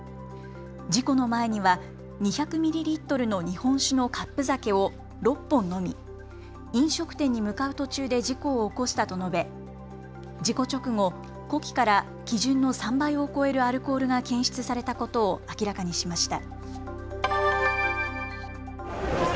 事故の前には２００ミリリットルの日本酒のカップ酒を６本飲み飲食店に向かう途中で事故を起こしたと述べ事故直後、呼気から基準の３倍を超えるアルコールが検出されたことを明らかにしました。